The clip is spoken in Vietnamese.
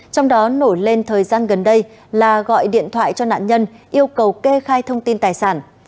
trong đó nổi lên thời gian gần đây là gọi điện thoại cho nạn nhân yêu cầu kê khai thông tin tài sản